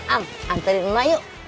am anterin emak yuk